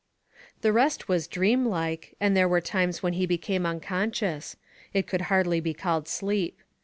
The rest was dreamlike, and there were times when he became unconscious. It could hardly be called sleep.